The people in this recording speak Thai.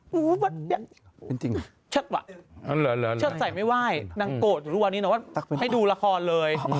โอ๊ยมันยังชัดว่ะชัดใส่ไม่ไหว้นังโกรธอยู่วันนี้หน่อยว่าให้ดูละครเลย